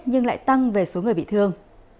nhưng lại tăng về số người bị thương